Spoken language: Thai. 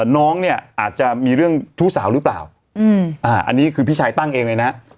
น้องเนี่ยอาจจะมีเรื่องชู้สาวหรือเปล่าอันนี้คือพี่ชายตั้งเองเลยนะ